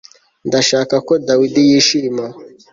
Ndashaka ko David yishima